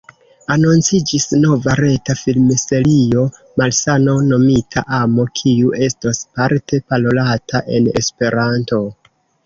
Anonciĝis nova reta filmserio, “Malsano Nomita Amo”, kiu estos parte parolata en Esperanto.